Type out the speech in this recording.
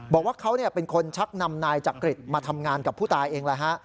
บอกว่าเขาเป็นคนชักนำนายจักริตมาทำงานกับผู้ตายเองแล้วฮะ